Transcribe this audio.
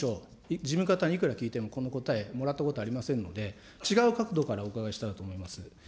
事務方にいくら聞いてもこの答え、もらったことありませんので、違う角度からお伺いしたいと思います。